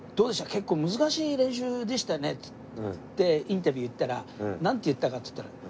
結構難しい練習でしたよね？」ってインタビューで言ったらなんて言ったかっつったら。